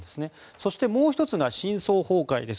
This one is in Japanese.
そしてもう１つが深層崩壊です。